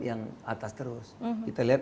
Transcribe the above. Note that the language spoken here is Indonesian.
yang atas terus kita lihat